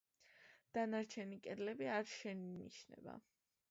დანარჩენი კედლები არ შეინიშნება.